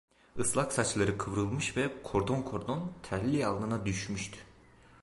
Islak saçları kıvrılmış ve kordon kordon terli alnına düşmüştü.